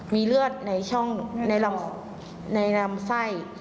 มีเลือดในช่องในลำไส้